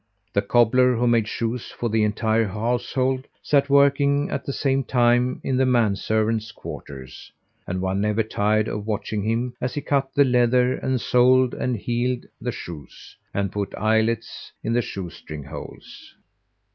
The cobbler, who made shoes for the entire household, sat working at the same time in the men servants' quarters, and one never tired of watching him as he cut the leather and soled and heeled the shoes and put eyelets in the shoestring holes.